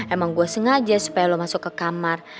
emang gue sengaja supaya lo masuk ke kamar